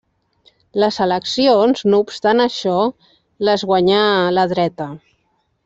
Les eleccions, no obstant això, les guanyà la dreta.